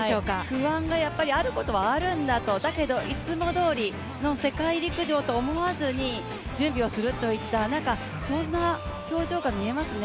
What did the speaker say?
不安がやっぱりあることはあるんだと、だけどいつもどおりの世界陸上と思わずに準備をするといったそんな表情が見えますね。